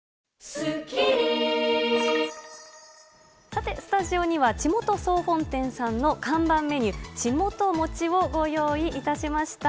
さてスタジオにはちもと総本店さんの看板メニュー、ちもと餅をご用意いたしました。